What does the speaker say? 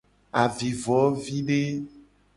Avivovide.